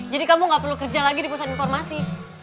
jadi kamu gak perlu kerja lagi di pusat informasi